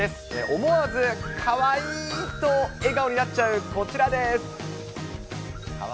思わずかわいいと、笑顔になっちゃうこちらです。